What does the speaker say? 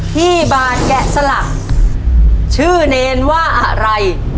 ที่บานแกะสลักชื่อเนรว่าอะไร